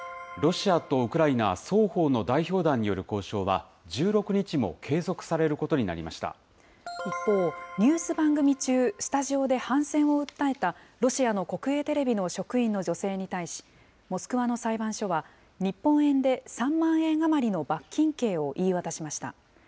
ロシアとウクライナ、双方の代表団による交渉は、１６日も継続さ一方、ニュース番組中、スタジオで反戦を訴えたロシアの国営テレビの職員の女性に対し、モスクワの裁判所は、日本円で３万円余りの罰金刑を言い渡しました。